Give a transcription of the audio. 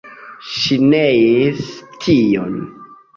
Ŝi neis tion.